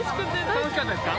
楽しかったですか？